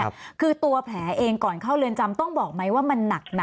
คือตัวแผลเองก่อนเข้าเรือนจำต้องบอกไหมว่ามันหนักนะ